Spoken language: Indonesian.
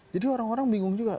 jadi orang orang bingung juga